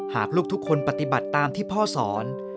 หากลูกทุกคนปฏิบัติตามที่พ่อสอน